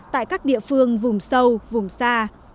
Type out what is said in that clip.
tại các địa phương vùng sâu vùng xa